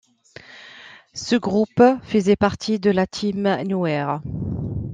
Ce groupe faisait partie de la Team Nowhere.